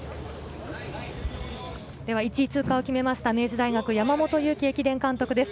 １位通過を決めた、明治大学・山本佑樹駅伝監督です。